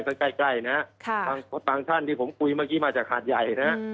ก็ใกล้นะบางท่านที่ผมคุยเมื่อกี้มาจากหาดใหญ่นะฮะ